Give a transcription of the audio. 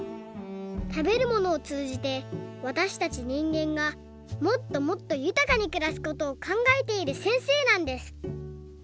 たべるものをつうじてわたしたちにんげんがもっともっとゆたかにくらすことをかんがえているせんせいなんです！